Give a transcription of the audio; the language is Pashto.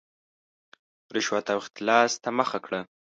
رشوت او اختلاس ته مخه کړه.